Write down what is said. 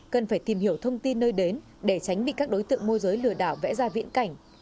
cần phải tìm hiểu thông tin nơi đến để tránh bị các đối tượng môi giới lừa đảo vẽ ra viễn cảnh